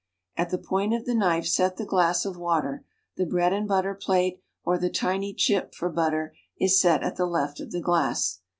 At the point of the knife set tlie glass of water; the Iiread and butter plate or the tiny "chip" for butter is set at the left of the glass.